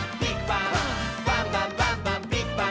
「バンバンバンバンビッグバン！」